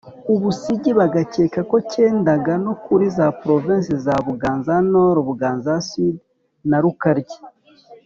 ubusigi. bagakeka ko cyendaga no kuri za provinsi za buganza-nord, buganza-sud na rukaryi.